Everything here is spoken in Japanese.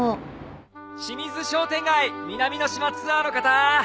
清水商店街南の島ツアーの方